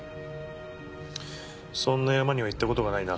そんな山には行ったことがないな。